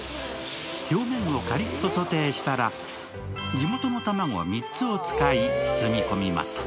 表面をカリッとソテーしたら地元の卵３つを使い、包み込みます。